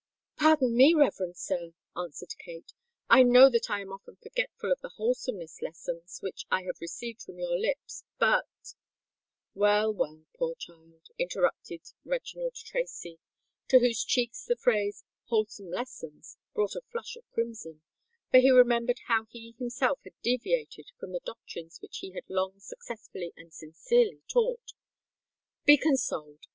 "Pardon me, reverend sir," answered Kate; "I know that I am often forgetful of the wholesome lessons which I have received from your lips; but——" "Well, well, poor child," interrupted Reginald Tracy, to whose cheeks the phrase "wholesome lessons" brought a flush of crimson—for he remembered how he himself had deviated from the doctrines which he had long successfully and sincerely taught: "be consoled!